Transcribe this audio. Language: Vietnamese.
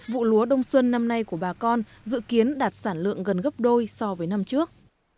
vụ lúa đông xuân năm nay của bà con dự kiến đạt sản lượng gần gấp đôi so với năm trước